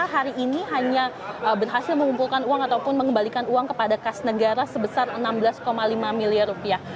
hari ini hanya berhasil mengumpulkan uang ataupun mengembalikan uang kepada kas negara sebesar enam belas lima miliar rupiah